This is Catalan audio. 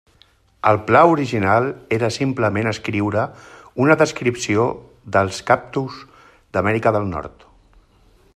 El pla original era simplement escriure una descripció dels cactus d'Amèrica del Nord.